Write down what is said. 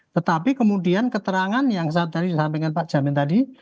tetapi kemudian keterangan yang saat tadi saya sampaikan pak jamin tadi